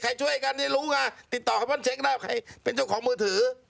ใครช่วยกันนี่รู้ไงติดต่อคำมั่นเช็คได้ใครเป็นเจ้าของมือถือ